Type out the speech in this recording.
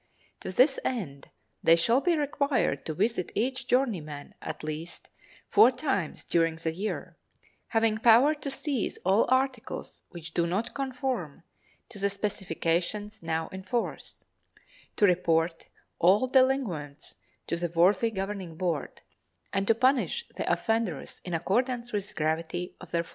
To this end, they shall be required to visit each journeyman at least four times during the year, having power to seize all articles which do not conform to the specifications now in force, to report all delinquents to the worthy governing board, and to punish the offenders in accordance with the gravity of their fault."